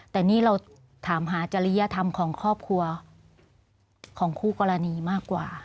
แต่นี่เราถามหาจริยธรรมของครอบครัวของคู่กรณีมากกว่า